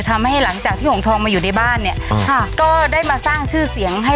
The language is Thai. หลังจากที่หงทองมาอยู่ในบ้านเนี่ยค่ะก็ได้มาสร้างชื่อเสียงให้